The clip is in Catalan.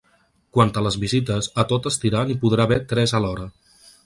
Quant a les visites, a tot estirar n’hi podrà haver tres alhora.